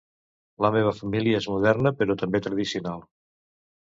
La meva família és moderna però també tradicional.